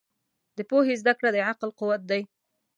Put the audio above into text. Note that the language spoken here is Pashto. د پوهې زده کړه د عقل قوت دی.